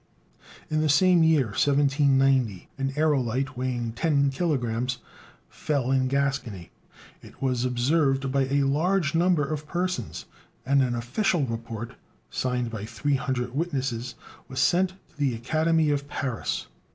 In the same year 1790, an aërolite weighing ten kilogrammes fell in Gascony. It was observed by a large number of persons, and an official report, signed by three hundred witnesses, was sent to the Academy of Paris.